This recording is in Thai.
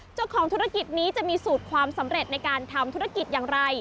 เจ้าของธุรกิจนี้จะมีสูตรความสำเร็จในการทำธุรกิจอย่างไร